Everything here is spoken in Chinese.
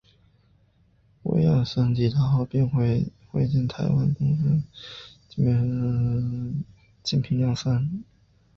威尔荪于抵达后便会见台湾总督安东贞美及总督府林业部主事者金平亮三。